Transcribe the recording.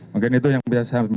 mungkin itu yang bisa saya